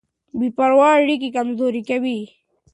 بې باورۍ اړیکې کمزورې کوي.